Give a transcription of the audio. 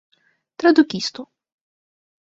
tradukisto